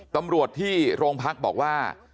ตำรวจที่โรงพักบอกว่า